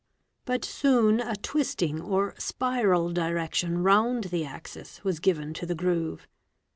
But soon a twisting or spiral direction round the axis was given to the groove.